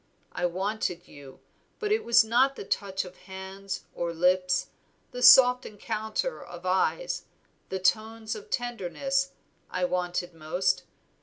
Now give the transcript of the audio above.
I wanted you, but it was not the touch of hands or lips, the soft encounter of eyes, the tones of tenderness, I wanted most.